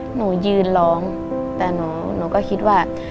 หนูยืนร้องแต่หนูก็คิดว่า